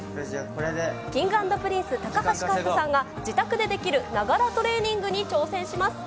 Ｋｉｎｇ＆Ｐｒｉｎｃｅ・高橋海人さんが、自宅でできるながらトレーニングに挑戦します。